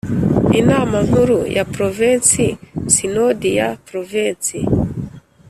Inama nkuru ya Provensi Sinodi ya Provensi